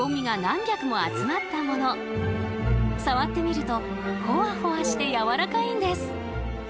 触ってみるとホワホワしてやわらかいんです。